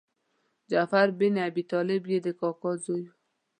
جعفر بن ابي طالب یې د کاکا زوی و.